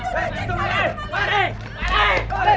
malik malik itu mali "